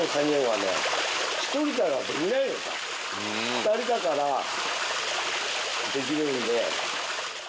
２人だからできる。